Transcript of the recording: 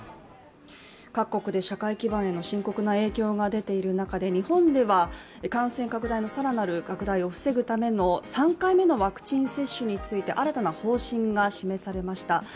各国で社会基盤への深刻な影響が出ている中で日本では感染のさらなる拡大を防ぐための３回目のワクチン接種について新たな方針が示されました。